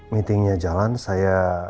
meetingnya jalan saya